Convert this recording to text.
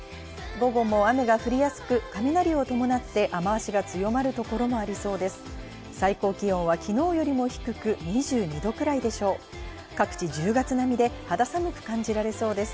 午後も雨が降りやすく、雷を伴って雨足が強まる所もありそうです。